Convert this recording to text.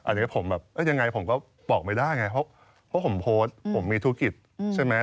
อันนี้ผมแบบยังไงผมก็บอกไม่ได้ไงเพราะผมโพสต์ผมมีธุรกิจใช่ไหม